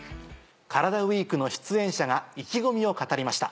カラダＷＥＥＫの出演者が意気込みを語りました。